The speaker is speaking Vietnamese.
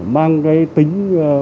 mang cái tính